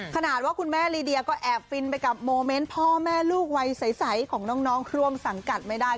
ขนาดว่าคุณแม่ลีเดียก็แอบฟินไปกับโมเมนต์พ่อแม่ลูกวัยใสของน้องเครื่องสังกัดไม่ได้